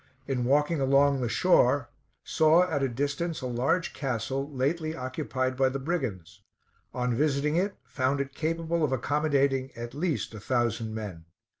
In walking along the shore, saw at a distance a large castle, lately occupied by the brigands; on visiting it, found it capable of accommodating at least a thousand men.